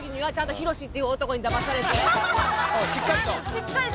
しっかりと。